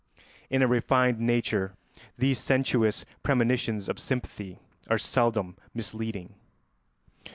In a refined nature these sensuous premonitions of sympathy are seldom misleading.